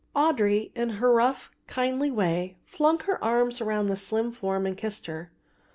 Audry in her rough, kindly way, flung her arms round the slim form and kissed her.